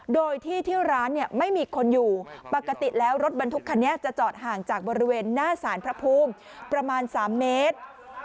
โดยที่ที่ร้านเนี่ยไม่มีคนอยู่ปกติแล้วรถบรรทุกคันนี้จะจอดห่างจากบริเวณหน้าสารพระภูมิประมาณ๓เมตร